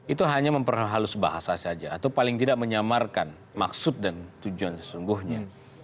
itu hanya memperhalus bahasa saja atau paling tidak menyamarkan maksud dan tujuan sesungguhnya